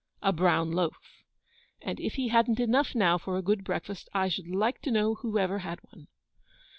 A brown loaf. And if he hadn't enough now for a good breakfast, I should like to know who ever had one?